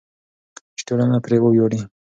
چې ټولنه پرې وویاړي.